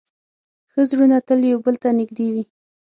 ښه زړونه تل یو بل ته نږدې وي.